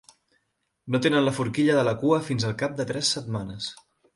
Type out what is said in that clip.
No tenen la forquilla de la cua fins al cap de tres setmanes.